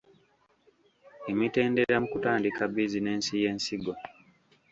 Emitendera mu kutandika bizinensi y’ensigo.